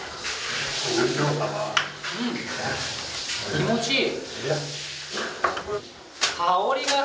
気持ちいい。